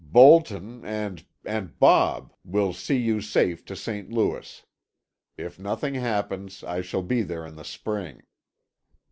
Bolton, and—and Bob will see you safe to St. Louis. If nothing happens I shall be there in the spring."